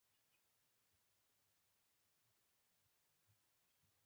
زما لپاره د وزې شیدې هم د خدای نعمت دی.